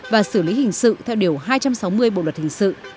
và xử lý hình sự theo điều hai trăm sáu mươi bộ luật hình sự